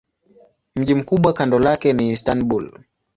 Mji mkubwa kando lake ni Istanbul.